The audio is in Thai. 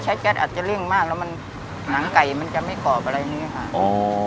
แก๊สอาจจะเร่งมากแล้วมันหนังไก่มันจะไม่กรอบอะไรอย่างนี้ค่ะ